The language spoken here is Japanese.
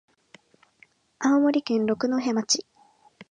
青森県六戸町